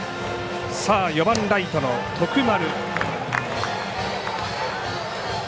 ４番ライトの徳丸。